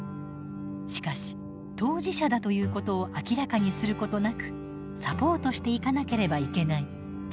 しかし当事者だということを明らかにすることなくサポートしていかなければいけない。